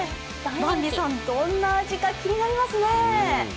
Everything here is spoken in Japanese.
ヴァンビさん、どんな味か気になりますね。